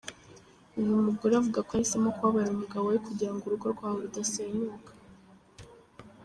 Uyu mugore avuga ko yahisemo kubabarira umugabo we kugira ngo urugo rwabo rudasenyuka.